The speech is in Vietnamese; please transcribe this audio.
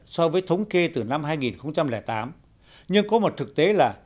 so với thống kê từ năm hai nghìn tám nhưng có một thực tế là